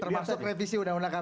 termasuk revisi undang undang kpk